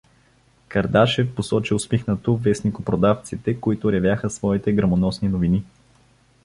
Кардашев посочи усмихнато вестникопродавците, които ревяха своите гръмоносни новини.